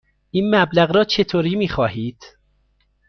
این مبلغ را چطوری می خواهید؟